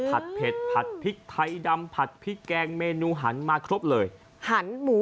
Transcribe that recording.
เผ็ดผัดพริกไทยดำผัดพริกแกงเมนูหันมาครบเลยหันหมู